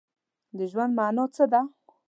د ژوند مانا څه ده؟